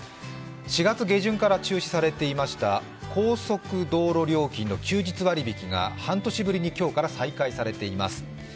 ４月下旬から中止されていました高速道路料金の休日割引が半年ぶりに今日から再開されています。